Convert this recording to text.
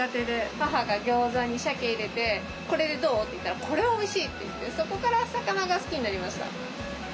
母が餃子にしゃけ入れて「これでどう？」って言ったら「これはおいしい」って言ってそこから魚が好きになりました。